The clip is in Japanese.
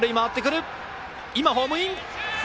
今、ホームイン！